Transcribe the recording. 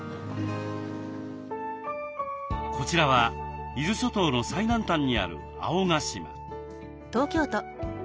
こちらは伊豆諸島の最南端にある青ヶ島。